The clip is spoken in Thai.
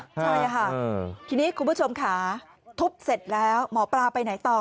ใช่ค่ะทีนี้คุณผู้ชมค่ะทุบเสร็จแล้วหมอปลาไปไหนต่อ